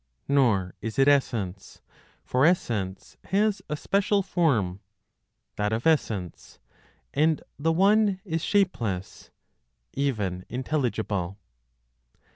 Nor is it essence, for essence has a special form, that of essence, and the One is shapeless even intelligible.